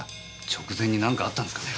直前になんかあったんですかね？